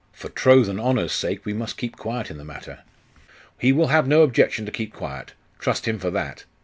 For troth and honour's sake, he must keep quiet in the matter.' 'He will have no objection to keep quiet trust him for that!